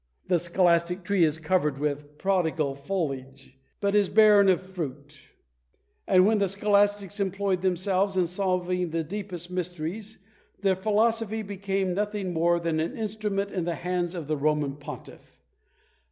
The scholastic tree is covered with prodigal foliage, but is barren of fruit; and when the scholastics employed themselves in solving the deepest mysteries, their philosophy became nothing more than an instrument in the hands of the Roman Pontiff.